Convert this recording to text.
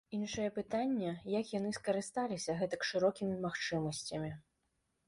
Іншае пытанне, як яны скарысталіся гэтак шырокімі магчымасцямі.